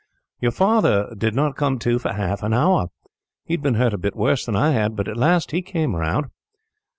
"Your father did not come to for half an hour. He had been hurt a bit worse than I had, but at last he came round.